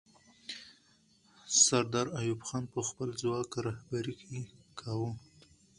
سردار ایوب خان به خپل ځواک رهبري کاوه.